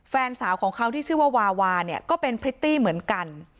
แฟนสาวของเขาที่ชื่อว่าวาวาเนี่ยก็เป็นพริตตี้เหมือนกัน